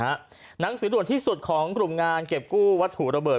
หนังสือด่วนที่สุดของกลุ่มงานเก็บกู้วัตถุระเบิด